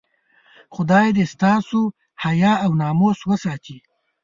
خدای دې ستاسو حیا او ناموس وساتي.